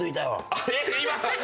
あれ今？